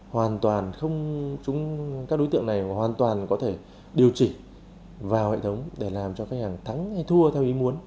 hoàn toàn không các đối tượng này hoàn toàn có thể điều chỉnh vào hệ thống để làm cho khách hàng thắng hay thua theo ý muốn